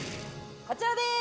こちらです